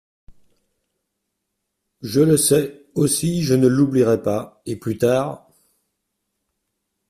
Je le sais… aussi je ne l’oublierai pas et plus tard…